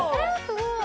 すごい！